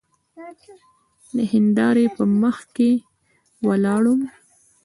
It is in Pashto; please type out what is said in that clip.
د هندارې په مخکې ولاړ وم.